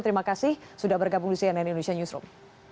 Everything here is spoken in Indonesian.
terima kasih sudah bergabung di cnn indonesia newsroom